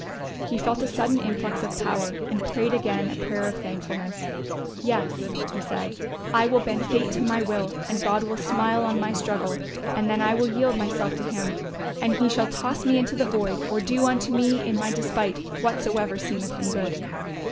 He felt a sudden influx of power and prayed again a prayer of thankfulness. "Yes," he said, "I will bend fate to my will and God will smile on my struggle and then I will yield myself to Him and He shall toss me into the void or do unto me in my despite whatsoever seemeth Him good."